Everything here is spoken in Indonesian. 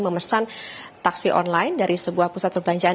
memesan taksi online dari sebuah pusat perbelanjaan